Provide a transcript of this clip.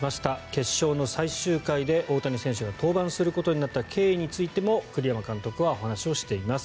決勝の最終回で大谷選手が登板することになった経緯についても栗山監督はお話をしています。